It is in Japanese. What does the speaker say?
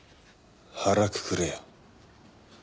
腹くくれや。